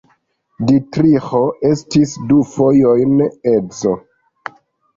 Ditriĥo estis du fojojn edzo.